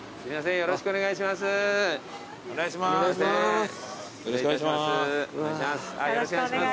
よろしくお願いします。